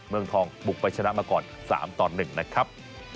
เมืองทองบุกไปชนะมาก่อน๓ต่อ๑นะครับ